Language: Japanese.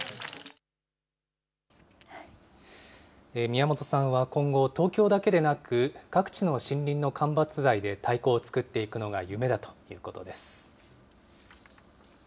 宮本さんは今後、東京だけでなく、各地の森林の間伐材で太鼓を作っていくのが夢だということです。